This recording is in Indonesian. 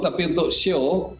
tapi untuk show